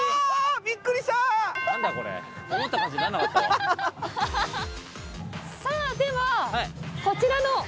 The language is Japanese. さあではこちらの。